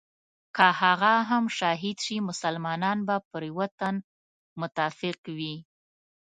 که هغه هم شهید شي مسلمانان به پر یوه تن متفق وي.